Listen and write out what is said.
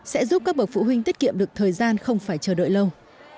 sẽ giúp các bậc phụ huynh tiết kiệm được thời gian không phải chờ đợi lâu